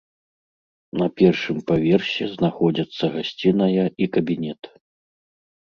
На першым паверсе знаходзяцца гасціная і кабінет.